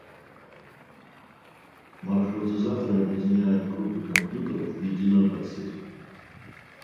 Маршрутизаторы объединяют группы компьютеров в единую подсеть